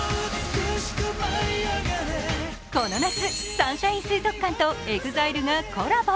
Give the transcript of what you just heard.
この夏、サンシャイン水族館とＥＸＩＬＥがコラボ。